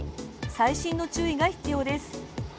細心の注意が必要です。